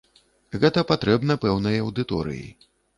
Гэта патрэбна пэўнай аўдыторыі.